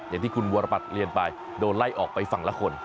อย่างที่คุณวรบัตรเรียนไปโดนไล่ออกไปฝั่งละคน